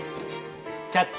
「キャッチ！